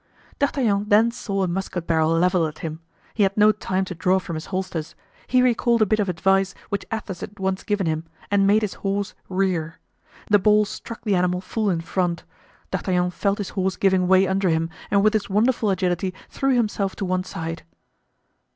D'Artagnan then saw a musket barrel leveled at him; he had no time to draw from his holsters. He recalled a bit of advice which Athos had once given him, and made his horse rear. The ball struck the animal full in front. D'Artagnan felt his horse giving way under him and with his wonderful agility threw himself to one side.